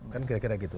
kan kira kira gitu